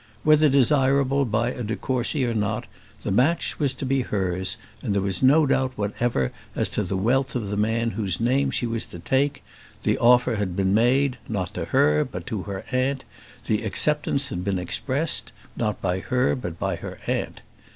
Whether desirable by a de Courcy or not, the match was to be hers, and there was no doubt whatever as to the wealth of the man whose name she was to take; the offer had been made, not to her, but to her aunt; the acceptance had been expressed, not by her, but by her aunt.